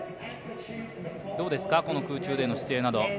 どうですか、空中での姿勢など。